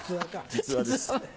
実話です